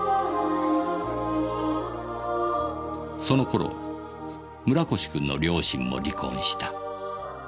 その頃村越君の両親も離婚した。